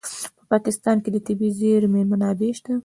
په افغانستان کې د طبیعي زیرمې منابع شته.